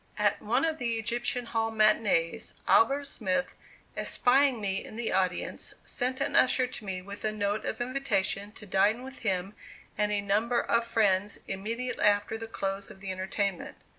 At one of the Egyptian Hall matinees, Albert Smith, espying me in the audience, sent an usher to me with a note of invitation to dine with him and a number of friends immediately after the close of the entertainment.